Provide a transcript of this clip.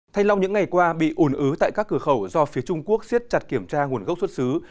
thanh long những ngày qua bị ồn ứ tại các cửa khẩu do phía trung quốc siết chặt kiểm tra nguồn gốc xuất xứ